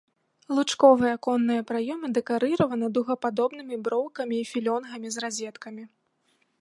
Лучковыя аконныя праёмы дэкарыраваны дугападобнымі броўкамі і філёнгамі з разеткамі.